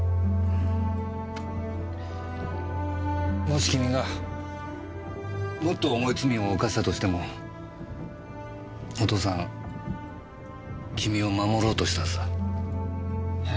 もし君がもっと重い罪を犯したとしてもお父さん君を守ろうとしたはずだ。え？